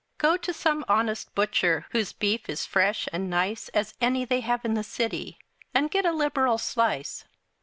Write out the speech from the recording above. Go to some honest butcher, Whose beef is fresh and nice, As any they have in the city, And get a liberal slice.